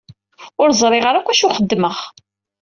Ur ẓriɣ ara akk acu xeddmeɣ.